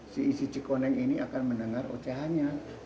si isi cikoneng ini akan mendengar ocahannya